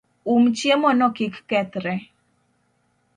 Um chiemo no kik kethre